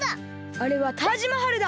あれはタージマハルだ！